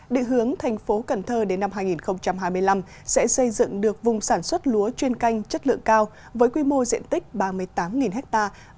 địa hướng thành phố cần thơ đến năm hai nghìn hai mươi năm sẽ xây dựng được vùng sản xuất lúa chuyên canh chất lượng cao với quy mô diện tích ba mươi tám hectare